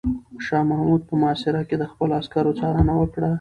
شاه محمود په محاصره کې د خپلو عسکرو څارنه وکړه.